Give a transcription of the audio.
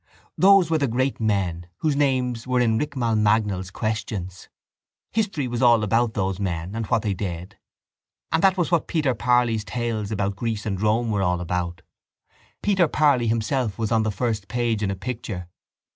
Those were the great men whose names were in Richmal Magnall's Questions. History was all about those men and what they did and that was what Peter Parley's Tales about Greece and Rome were all about. Peter Parley himself was on the first page in a picture.